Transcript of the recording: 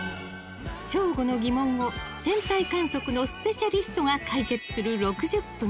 省吾の疑問を天体観測のスペシャリストが解決する６０分。